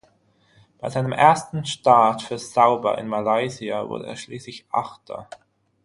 Bei seinem ersten Start für Sauber in Malaysia wurde er schließlich Achter.